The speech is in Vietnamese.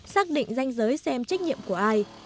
xác định danh giới xem trách nhiệm của ai